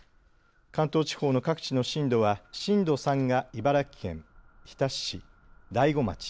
関東地方の各地の震度は震度３が茨城県日立市、大子町。